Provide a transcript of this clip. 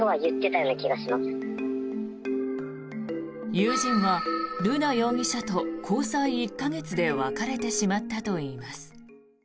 友人は瑠奈容疑者と交際１か月で別れてしまったといいます。